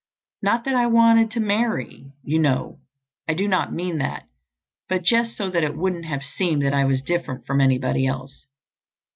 Not that I wanted to marry, you know, I do not mean that, but just so that it wouldn't have seemed that I was different from anybody else.